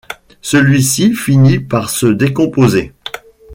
Celui-ci finit par se décomposer.